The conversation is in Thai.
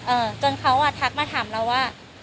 จนเขาอ่ะทักมาถามเราว่า